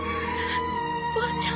おばあちゃん？